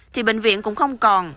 thì bệnh viện cũng không còn